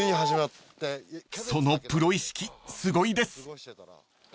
［そのプロ意識すごいです］